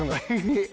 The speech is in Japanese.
えっ？